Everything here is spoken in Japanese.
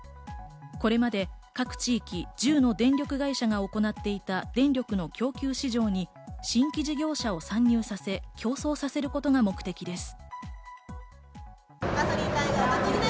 これまで各地域、１０の電力会社が行っていた電力の供給市場に新規事業者を参入させ、競争させることが目的です。